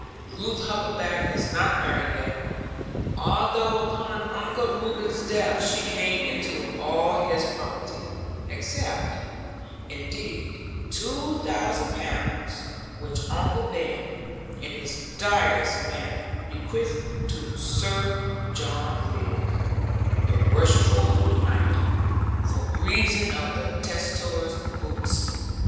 Ruth Huckaback is not married yet; although upon Uncle Reuben's death she came into all his property; except, indeed, 2000 pounds, which Uncle Ben, in his driest manner, bequeathed 'to Sir John Ridd, the worshipful knight, for greasing of the testator's boots.'